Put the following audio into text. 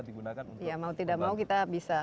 digunakan untuk pengembang ya mau tidak mau kita bisa